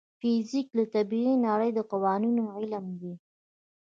فزیک د طبیعي نړۍ د قوانینو علم دی.